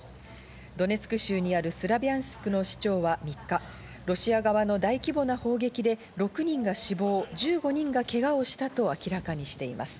ドネツク州にあるスラビャンスクの市長は３日、ロシア側の大規模な砲撃で６人が死亡、１５人がけがをしたと明らかにしています。